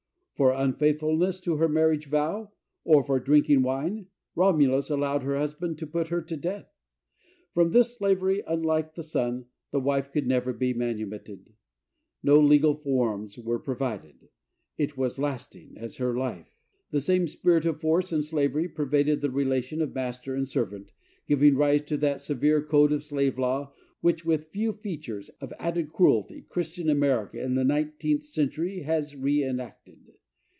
For unfaithfulness to her marriage vow, or for drinking wine, Romulus allowed her husband to put her to death. From this slavery, unlike the son, the wife could never be manumitted; no legal forms were provided. It was lasting as her life. The same spirit of force and slavery pervaded the relation of master and servant, giving rise to that severe code of slave law, which, with a few features of added cruelty, Christian America, in the nineteenth century, has reënacted.